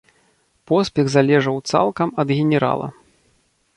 Поспех залежаў цалкам ад генерала.